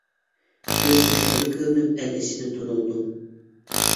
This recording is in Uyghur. كۆزگە خېلى كۆرۈنۈپ ئەل ئىچىدە تونۇلدۇم.